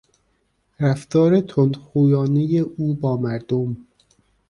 رفتار تندخویانهی او با مردم